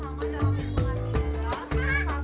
kita sama sama dalam ilmuwan kita